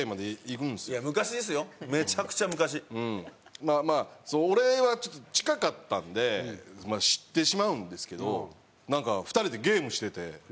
まあまあ俺はちょっと近かったんで知ってしまうんですけどなんか２人でゲームしてて。